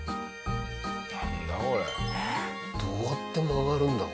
どうやって曲がるんだ？